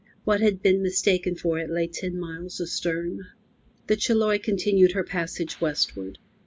What had been mistaken for it lay ten miles astern. The Chiloe continued her passage westward.